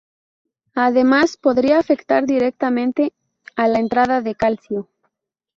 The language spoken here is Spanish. Además, podría afectar directamente a la entrada de calcio.